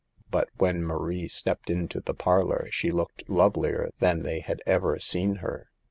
But when Marie stepped into the parlor she looked lovelier than they had ever seen her.